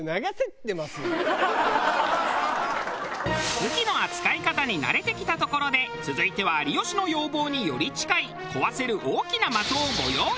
武器の扱い方に慣れてきたところで続いては有吉の要望により近い壊せる大きな的をご用意。